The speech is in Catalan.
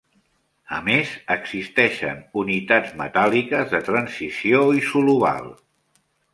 A més, existeixen unitats metàl·liques de transició isolobal.